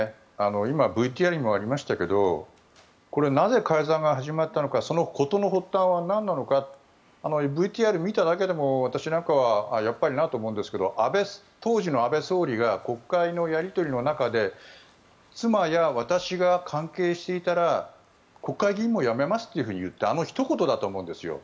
今、ＶＴＲにもありましたけどこれ、なぜ改ざんが始まったのかその事の発端はなんなのかＶＴＲを見ただけでも私なんかはやっぱりなと思うんですが当時の安倍総理が国会のやり取りの中で妻や私が関係していたら国会議員も辞めますと言ったあのひと言だと思うんですよ。